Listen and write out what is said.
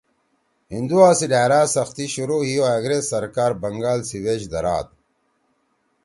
ہندُوا سی ڈھأرا سختی شروع ہی او انگریز سرکار بنگال سی ویش دھراد